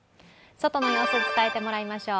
外の様子、伝えてもらいましょう。